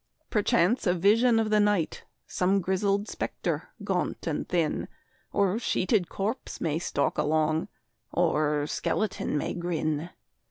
Perchance a vision of the night, Some grizzled spectre, gaunt and thin, Or sheeted corpse, may stalk along, Or skeleton may grin.